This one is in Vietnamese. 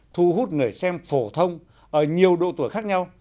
thu hút người xem phổ thông ở nhiều độ tuổi khác nhau